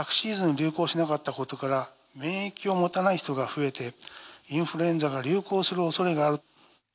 流行しなかったことから、免疫を持たない人が増えて、インフルエンザが流行するおそれがある。